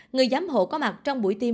người giám hộ có mặt trong bụi tim